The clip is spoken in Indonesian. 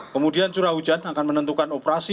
kemudian curah hujan akan menentukan operasi